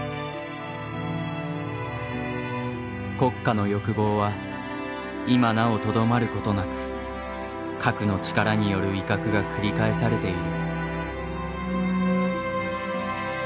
国家の欲望は今なおとどまることなく核の力による威嚇が繰り返されている。